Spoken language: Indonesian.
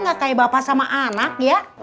gak kayak bapak sama anak ya